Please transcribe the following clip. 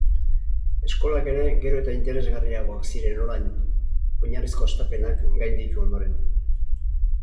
Eskolak ere gero eta interesgarriagoak ziren orain, oinarrizko hastapenak gainditu ondoren.